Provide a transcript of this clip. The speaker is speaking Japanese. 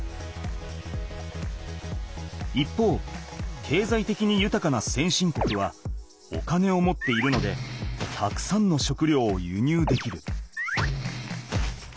一方けいざいてきにゆたかな先進国はお金を持っているのでたくさんの食料を輸入できる。